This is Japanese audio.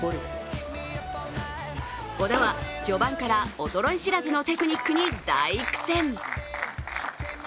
小田は序盤から衰え知らずのテクニックに大苦戦。